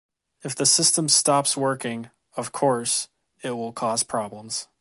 If the system stops working, of course, it will cause problems.